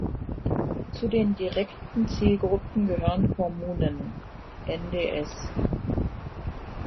Zu den direkten Zielgruppen gehören Kommunen, Nds.